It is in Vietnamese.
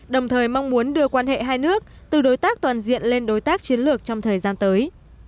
đồng thời mong muốn đưa quan hệ hai nước từ đối tác toàn diện lên đối tác chiến lược trong thời gian tới